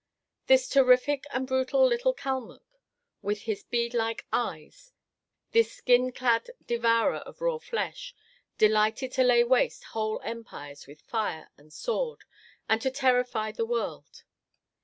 This terrific and brutal little Kalmuck, with his bead like eyes, this skin clad devourer of raw flesh, delighted to lay waste whole empires with fire and sword, and to terrify the world.